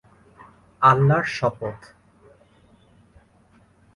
আল্লাহর শপথ!